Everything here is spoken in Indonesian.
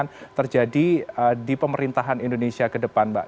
yang terjadi di pemerintahan indonesia ke depan mbak